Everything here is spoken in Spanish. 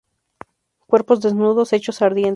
Cuerpos desnudos, hechos ardientes.